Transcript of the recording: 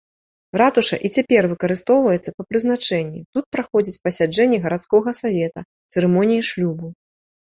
Ратуша і цяпер выкарыстоўваецца па прызначэнні, тут праходзяць пасяджэнні гарадскога савета, цырымоніі шлюбу.